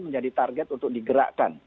menjadi target untuk digerakkan